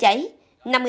nhằm canh lửa rừng